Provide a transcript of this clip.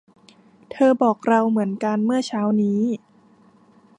เธอบอกเราเหมือนกันเมื่อเช้านี้